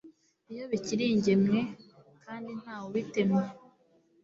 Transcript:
iyo bikiri ingemwe kandi nta we ubitemye